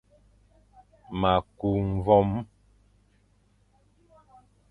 Ma ku mvoom,